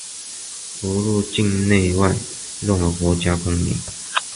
无论境内外、任何国家公民